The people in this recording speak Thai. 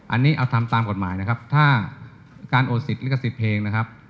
อันนี้เอาทำตามกฎหมายนะครับถ้าการโอดสิทธิลิขสิทธิ์เพลงนะครับ